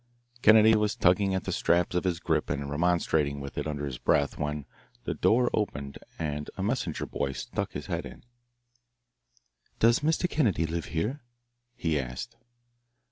Kennedy was tugging at the straps of his grip and remonstrating with it under his breath, when the door opened and a messenger boy stuck his head in. "Does Mr. Kennedy live here?" he asked.